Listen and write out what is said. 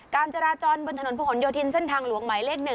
การจราจรบนถนนพระหลโยธินเส้นทางหลวงหมายเลข๑